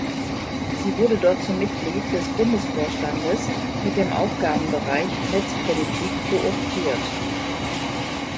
Sie wurde dort zum Mitglied des Bundesvorstandes mit dem Aufgabenbereich Netzpolitik kooptiert.